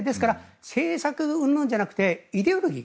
政策うんぬんじゃなくてイデオロギー。